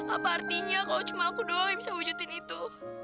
apa artinya kok cuma aku doang yang bisa wujudkan itu